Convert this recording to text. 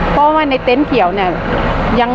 เพราะว่าในเต็นท์เขียวเนี้ยยังไม่มีเต็นท์เขียวนะครับ